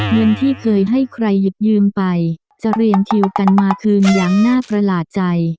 เงินที่เคยให้ใครหยิบยืมไปจะเรียงคิวกันมาคืนอย่างน่าประหลาดใจ